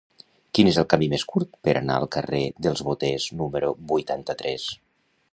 Quin és el camí més curt per anar al carrer dels Boters número vuitanta-tres?